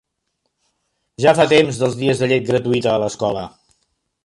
Ja fa temps dels dies de llet gratuïta a l'escola.